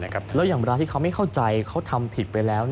แล้วอย่างเวลาที่เขาไม่เข้าใจเขาทำผิดไปแล้ว